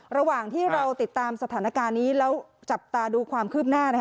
ระหว่างที่เราติดตามสถานการณ์นี้แล้วจับตาดูความคืบหน้า